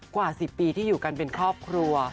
กว่า๑๐ปีที่อยู่กันเป็นครอบครัว